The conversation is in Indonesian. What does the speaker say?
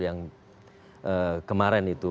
yang kemarin itu